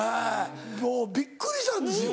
もうびっくりしたんですよ。